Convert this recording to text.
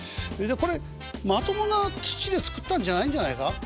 これまともな土で作ったんじゃないんじゃないか？